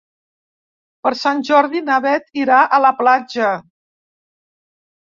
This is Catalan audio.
Per Sant Jordi na Bet irà a la platja.